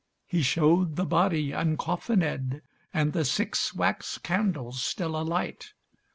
He showed the body uncoffinèd, And the six wax candles still alight.